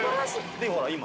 でほら今。